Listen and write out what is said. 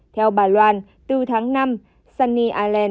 theo bà loan từ tháng năm sunny island đã giao hồ sơ đền bù giải phóng mặt bằng